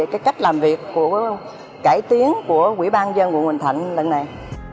cái cách làm việc của cải tiến của quỹ ban dân quận bình thạnh lần này